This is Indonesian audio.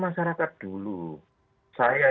masyarakat dulu saya